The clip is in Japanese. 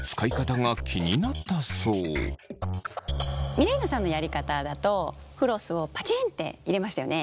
ミレイナさんのやり方だとフロスをパチンって入れましたよね？